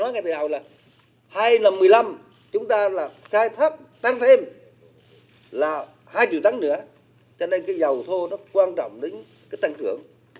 tôi nói thưa thưa học hai năm một mươi năm chúng ta là thấp tăng thêm là hai triệu tăng nữa cho nên cái dầu thô đó quan trọng đến cái tăng tưởng